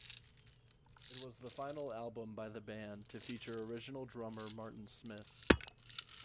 It was the final album by the band to feature original drummer Martin Smith.